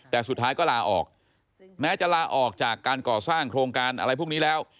แต่สุดท้ายก็ลาออกแม้จะลาออกจากการก่อสร้างโครงการอะไรพวกนี้แล้ว